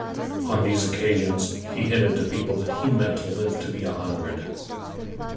On these occasions, he hinted to people that he meant to live to be a hundred.